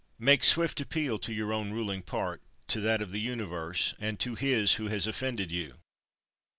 22. Make swift appeal to your own ruling part, to that of the Universe, and to his who has offended you.